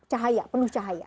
cahaya penuh cahaya